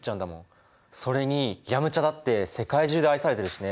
それに飲茶だって世界中で愛されてるしね。